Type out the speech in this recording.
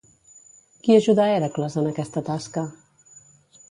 Qui ajudà Hèracles en aquesta tasca?